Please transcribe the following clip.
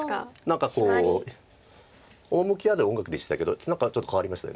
何かこう趣ある音楽でしたけどちょっと変わりましたよね。